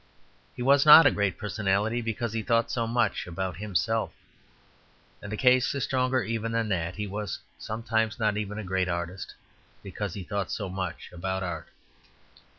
He was not a great personality, because he thought so much about himself. And the case is stronger even than that. He was sometimes not even a great artist, because he thought so much about art.